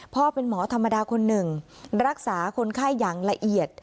เป็นหมอธรรมดาคนหนึ่งรักษาคนไข้อย่างละเอียด